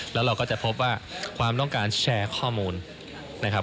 แล้วเราก็จะพบว่าความต้องการแชร์ข้อมูลนะครับ